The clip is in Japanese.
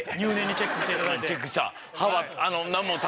チェックした。